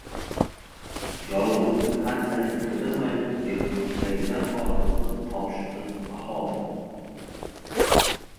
• Yorug‘likni qanchalik qidirmaylik, zehnimizdagidan ortig‘ini topishimiz mahol.